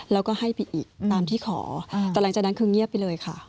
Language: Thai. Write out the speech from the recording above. แล้วก็ให้ไปอีกตามที่ขอแต่หลังจากนั้นคือเงียบไปเลยค่ะ